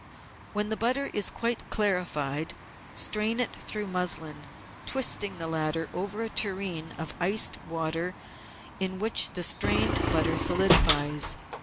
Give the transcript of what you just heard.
When the butter is quite clarified strain it through muslin, twisting the laFter over a tureen of iced water in which the strained butter solidifies.